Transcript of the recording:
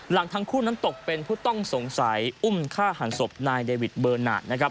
หลังทั้งคู่นั้นตกเป็นผู้ต้องสงสัยอุ้มฆ่าหันศพนายเดวิดเบอร์นาทนะครับ